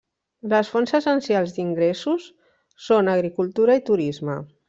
Les fonts essencials d'ingressos són agricultura i turisme.